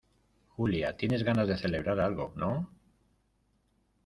Julia tiene ganas de celebrar algo, ¿ no?